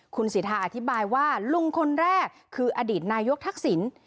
คุณสิทธาอธิบายว่าลุงคนแรกคืออดีตนายกทักษิณ